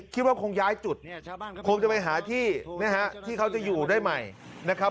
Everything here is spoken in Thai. คิดว่าคงย้ายจุดคงจะไปหาที่นะฮะที่เขาจะอยู่ได้ใหม่นะครับ